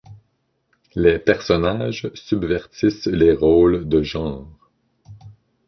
Les personnages subvertissent les rôles de genre.